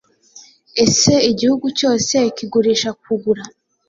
Ese Igihugu cyose kigurisha kugura.